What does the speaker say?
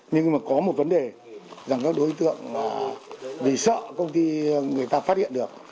nhưng mà có một vấn đề rằng các đối tượng vì sợ công ty người ta phát hiện được